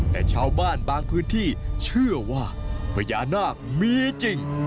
แต่ชาวบ้านบางพื้นที่เชื่อว่าพญานาคมีจริง